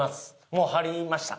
もう貼りました。